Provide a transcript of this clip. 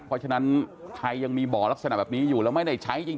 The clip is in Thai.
เพราะฉะนั้นไทยยังมีบ่อลักษณะแบบนี้อยู่แล้วไม่ได้ใช้จริง